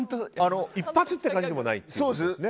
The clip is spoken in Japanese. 一発って感じでもないんですね。